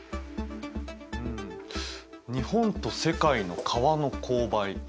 日本と世界の川の勾配。